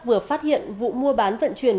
vừa phát hiện vụ mua bán vận chuyển